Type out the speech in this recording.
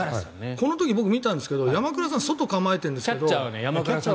この時、見たんですけど山倉さん外構えてるんですけど。